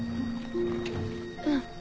うん。